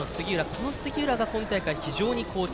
この杉浦が今大会、非常に好調。